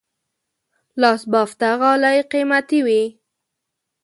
لاس بافته غالۍ قیمتي وي.